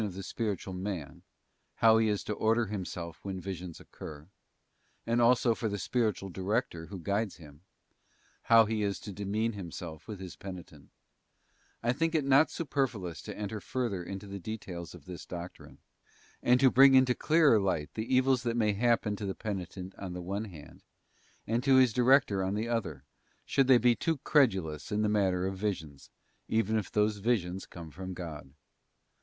129 of the spiritual man, how he is to order himself when visions occur; and also for the spiritual director who guides him, how he is to demean himself with his penitent: I think it not superfluous to enter further into the details of this doctrine, and to bring into clearer light the evils that may happen to the penitent on the one hand, and his director on the other, should they be too credulous in the matter of visions, even if those visions come from God.